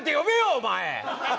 お前。